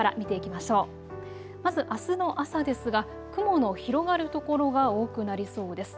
まず、あすの朝ですが雲の広がる所が多くなりそうです。